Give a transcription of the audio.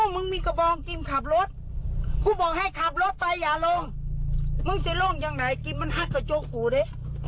มึงจะลงอย่างไหนกิมมันหักกระโจ๊กกูดิ